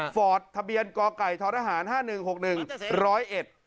ฟอร์ดทะเบียนกไก่ทรศาหรภ์๕๑๖๑๑๐๑